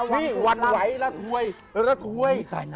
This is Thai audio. นี่หวั่นไหวระถวยระถวย